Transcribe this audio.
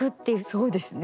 そうですね。